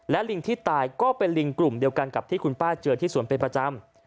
ลิงที่ตายก็เป็นลิงกลุ่มเดียวกันกับที่คุณป้าเจอที่สวนเป็นประจำ